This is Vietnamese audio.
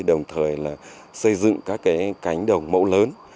đồng thời xây dựng các cánh đồng mẫu lớn